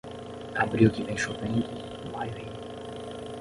Abril que vem chovendo, maio ri.